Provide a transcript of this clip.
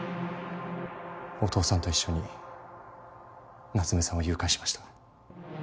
お義父さんと一緒に夏目さんを誘拐しました。